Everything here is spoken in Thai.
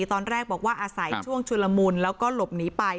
ตอนแรกบอกว่าอาศัยช่วงชุลมุนแล้วก็หลบหนีไป